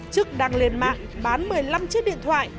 trức đang lên mạng bán một mươi năm chiếc điện thoại